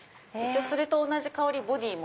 それと同じ香りボディーも。